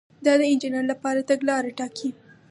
دا د انجینر لپاره تګلاره ټاکي.